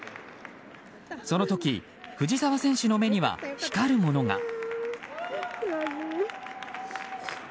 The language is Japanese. その時、藤澤選手の目には光るものが。